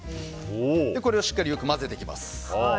これをしっかりよく混ぜていきます。